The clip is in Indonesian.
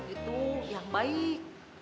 itu yang baik